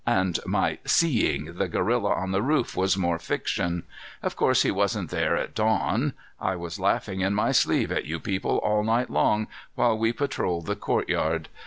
And my 'seeing' the gorilla on the roof was more fiction. Of course he wasn't there at dawn. I was laughing in my sleeve at you people all night long, while we patrolled the courtyard.